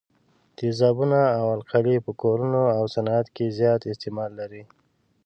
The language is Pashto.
تیزابونه او القلي په کورونو او صنعت کې زیات استعمال لري.